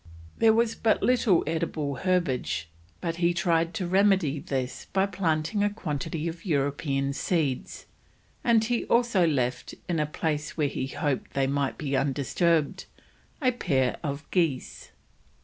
There was but little edible herbage, but he tried to remedy this by planting a quantity of European seeds, and he also left, in a place where he hoped they might be undisturbed, a pair of geese.